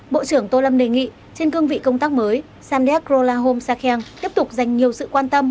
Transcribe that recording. bộ trưởng tô lâm đề nghị trên cương vị công tác mới samdeck rolahom sakeng tiếp tục dành nhiều sự quan tâm